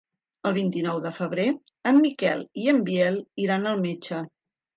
El vint-i-nou de febrer en Miquel i en Biel iran al metge.